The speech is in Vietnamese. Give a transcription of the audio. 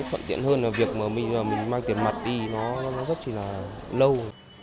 thuận tiện hơn là việc mà mình mang tiền mặt đi nó rất chỉ là lâu